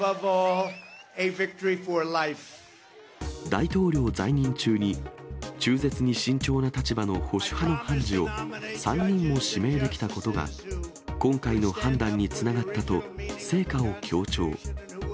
大統領在任中に、中絶に慎重な立場の保守派の判事を、３人も指名できたことが、今回の判断につながったと、成果を強調。